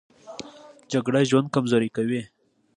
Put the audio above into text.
جګړه ژوند کمزوری کوي